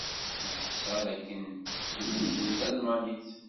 Neḥṣa d akken tlemdem talmanit.